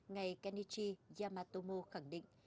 ngày kenichi yamatomo khẳng định